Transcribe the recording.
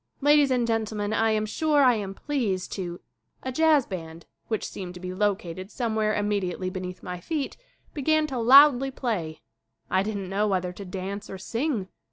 "Ladies and gentlemen I am sure I am pleased to " A jazz band, which seemed to be located somewhere immediately beneath my feet, began to loudly play. I didn't know whether to dance or sing.